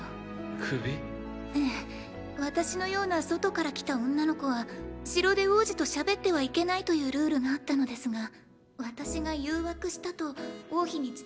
ええ私のような外から来た女の子は城で王子と喋ってはいけないというルールがあったのですが私が誘惑したと王妃に伝わってしまいまして。